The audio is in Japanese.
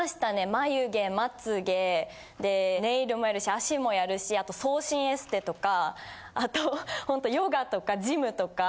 眉毛まつ毛でネイルもやるし脚もやるしあと痩身エステとかあとほんとヨガとかジムとか。